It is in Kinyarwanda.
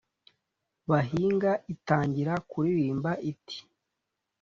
bahinga, itangira kuririmba, iti: